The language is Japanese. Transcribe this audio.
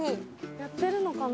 やってるのかな？